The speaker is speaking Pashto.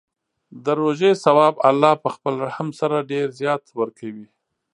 د روژې ثواب الله په خپل رحم سره ډېر زیات ورکوي.